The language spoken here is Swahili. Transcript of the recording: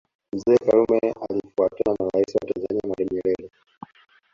Mzee Karume alifuatana na Rais wa Tanzania Mwalimu Nyerere